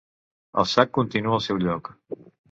El sac continua al seu lloc.